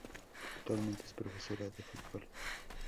Actualmente es profesora de fútbol.